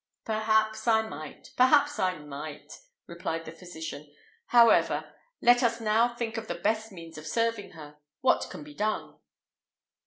"Perhaps I might; perhaps I might," replied the physician: "however, let us now think of the best means of serving her. What can be done?"